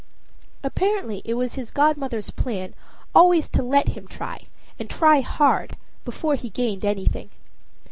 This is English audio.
Apparently it was his godmother's plan always to let him try, and try hard, before he gained anything.